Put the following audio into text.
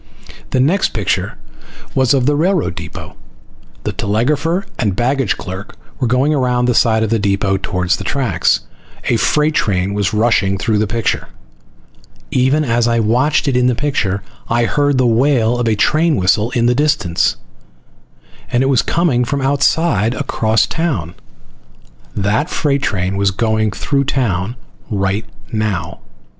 The next picture was of the railroad depot. The telegrapher and baggage clerk were going around the side of the depot towards the tracks. A freight train was rushing through the picture. Even as I watched it in the picture, I heard the wail of a train whistle in the distance, and it was coming from outside, across town. That freight train was going through town right now.